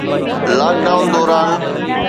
lock down دوران